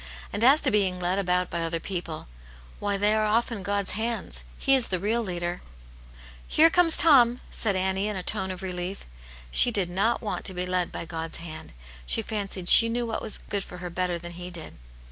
And as to being led about by other people ; why, they are often God's hands. He is the real leader." ." Here comes Tom !" said Annie, in a tone of relief. She did not want to be led by God's hand ; she fancied she knew what was good for her bettec than He did.